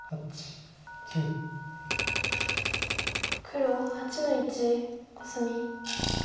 黒８の一コスミ。